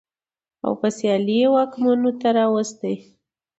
او په سيالۍ واکمنو ته راوستې.